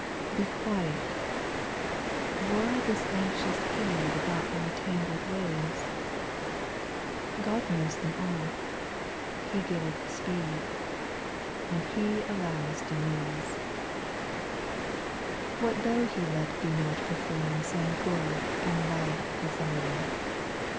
2. Be quiet, why this anxious heed About thy tangled ways ? God knows them all, He giveth speed, And He allows delays. SPIRITUAL SONGS. 143 3. What though He let thee not perform Some good and loved design